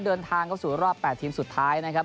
เดินทางเข้าสู่รอบ๘ทีมสุดท้ายนะครับ